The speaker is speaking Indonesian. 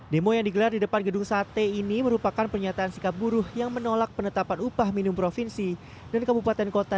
demo yang digelar di depan gedung sate ini merupakan pernyataan sikap buruh yang menolak penetapan upah minimum provinsi dan kabupaten kota